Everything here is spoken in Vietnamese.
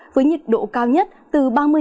với nhiệt độ cao nhất từ ba mươi sáu ba mươi sáu độ